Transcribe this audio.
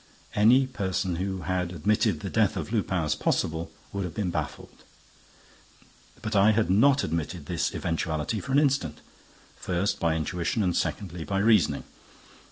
Any person who had admitted the death of Lupin as possible would have been baffled. But I had not admitted this eventuality for an instant (first, by intuition and, secondly, by reasoning).